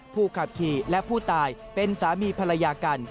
ผู้ขับขี่และผู้ตายเป็นสามีภรรยากัน